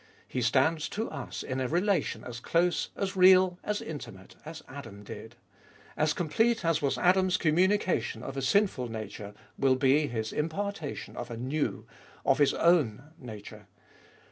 He stands to us in a relation as close, as real, as intimate, as Adam did. As complete as was Adam's communication of a sinful nature will be His impartation of a new, of His own nature.